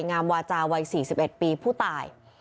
งามวาจาวัย๔๑ปีผู้ตาย